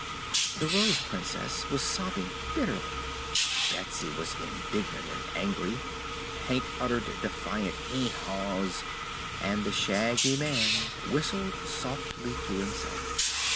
The Rose Princess was sobbing bitterly; Betsy was indignant and angry; Hank uttered defiant "Hee haws" and the Shaggy Man whistled softly to himself.